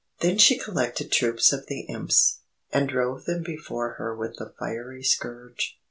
Then she collected troops of the Imps, and drove them before her with the fiery scourge.